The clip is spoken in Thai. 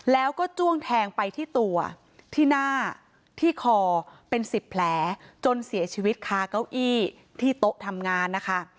แล้วก็จ้วงแทงไปที่ตัวที่หน้าที่คอเป็น๑๐แผลจนเสียชีวิตคาเก้าอี้ที่โต๊ะทำงานนะคะ